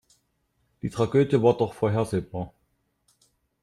Die Tragödie war doch vorhersehbar.